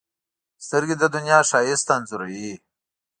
سترګې د دنیا ښایست انځوروي